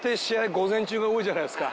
午前中が多いじゃないですか。